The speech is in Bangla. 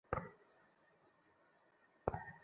তিনি খুঁজে পেয়েছিলেন।